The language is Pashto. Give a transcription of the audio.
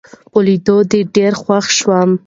په لیدو دي ډېر خوښ شوم